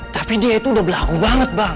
tapi dia itu udah belau banget bang